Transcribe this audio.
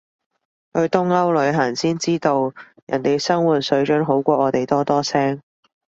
去東歐旅行先知道，人哋生活水準好過我哋多多聲